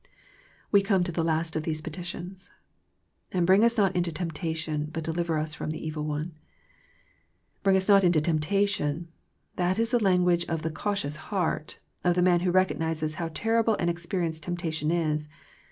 We come to the last of these petitions. " And bring us not into temptation, but deliver us from the evil one." " Bring us not into temptation," that is the language of the cautious heart, of the man who recognizes how terrible an experience temptation is.